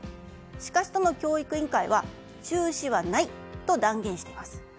しかし、都の教育委員会は中止はないと断言しています。